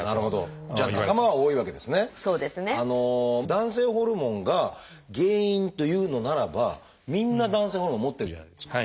男性ホルモンが原因というのならばみんな男性ホルモン持ってるじゃないですか。